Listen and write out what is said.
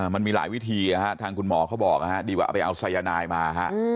มันมีหลายวิธีทางคุณหมอเขาบอกดีกว่าเอาไปเอาสายนายมาฮะ